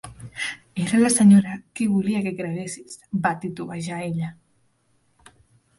"Era la senyora qui volia que creguessis", va titubejar ella.